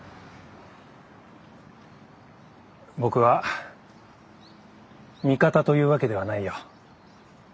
僕は味方というわけではないよ。